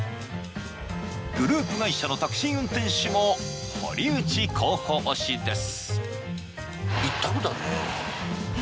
グループ会社のタクシー運転手も堀内候補推しです。